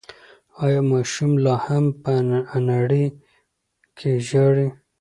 ایا ماشوم لا هم په انړۍ کې ژاړي؟